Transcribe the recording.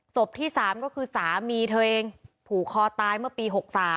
ที่๓ก็คือสามีเธอเองผูกคอตายเมื่อปี๖๓